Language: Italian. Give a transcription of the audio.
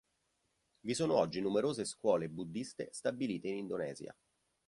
Vi sono oggi numerose scuole buddiste stabilite in Indonesia.